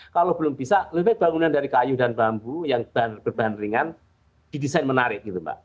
kalau belum bisa lebih baik bangunan dari kayu dan bambu yang berbahan ringan didesain menarik gitu mbak